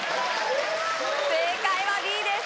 正解はＢです